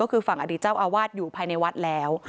ก็คือฝั่งอดีตเจ้าอาวาสอยู่ภายในวัดแล้ว